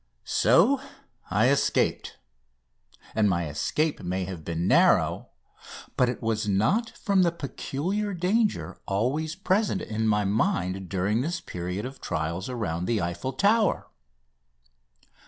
So I escaped and my escape may have been narrow but it was not from the particular danger always present in my mind during this period of trials around the Eiffel Tower.